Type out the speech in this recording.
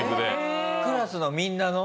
クラスのみんなの？